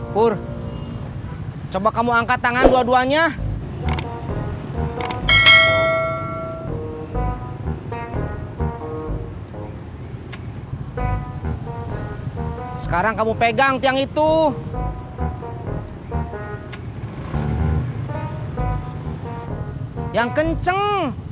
pur coba kamu angkat tangan dua duanya sekarang kamu pegang tiang itu yang kenceng